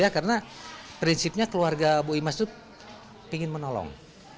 karena prinsipnya keluarga ibu imas itu ingin menolong